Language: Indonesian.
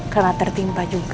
kena tertimpa juga